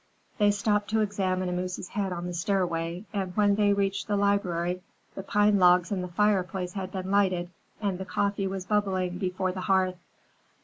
They stopped to examine a moose's head on the stairway, and when they reached the library the pine logs in the fireplace had been lighted, and the coffee was bubbling before the hearth.